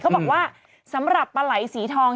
บอกว่าสำหรับปลาไหลสีทอง